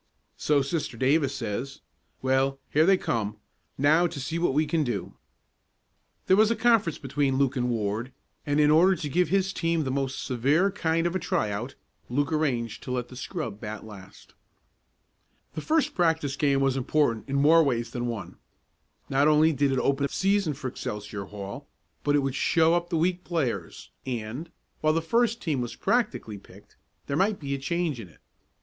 "So Sister Davis says. Well, here they come. Now to see what we can do?" There was a conference between Luke and Ward, and in order to give his team the most severe kind of a try out, Luke arranged to let the scrub bat last. The first practice game was important in more ways than one. Not only did it open the season for Excelsior Hall, but it would show up the weak players, and, while the first team was practically picked, there might be a change in it.